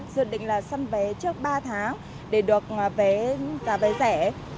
dự định là săn vé trước ba tháng để được vé giá vé rẻ